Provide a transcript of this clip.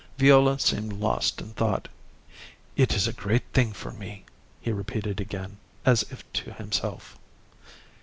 Viola seemed lost in thought. "It is a great thing for me," he repeated again, as if to himself.